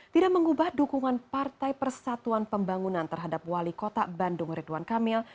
tidak mengubah dukungan partai persatuan pembangunan terhadap wali kota bandung ridwan kamil